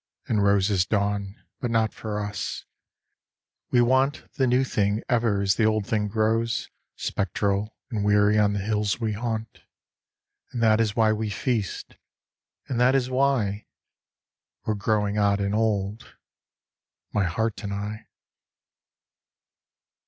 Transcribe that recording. And roses dawn, but not for us ; we want The new thing ever as the old thing grows Spectral and weary on the hills we haunt. And that is why we feast, and that is why We're growing odd and old, my heart and I.